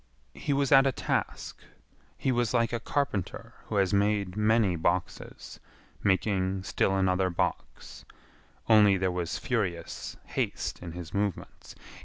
He was at a task. He was like a carpenter who has made many boxes, making still another box, only there was furious haste in his movements.